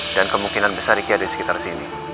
dan kemungkinan besar ricky ada di sekitar sini